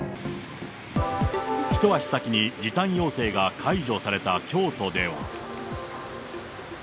一足先に時短要請が解除された京都では。